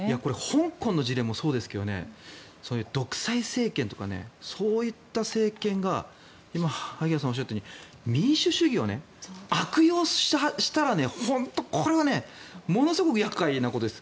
香港の事例もそうですけど独裁政権とかそういった政権が今、萩谷さんがおっしゃったように民主主義を悪用したら本当にこれはものすごく厄介なことです。